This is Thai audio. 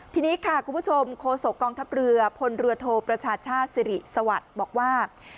ทีนี้ค่ะคุณผู้ชมโคศกองทัพเรือพลเรือโทประชาชาติสิริสวัสดิ์บอกว่า